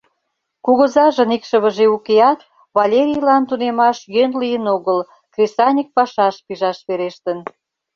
Кугызажын икшывыже укеат, Валерийлан тунемаш йӧн лийын огыл, кресаньык пашаш пижаш верештын.